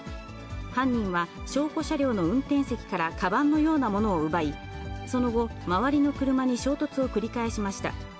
犯人は証拠車両の運転席からかばんのようなものを奪い、その後、周りの車に衝突を繰り返しました。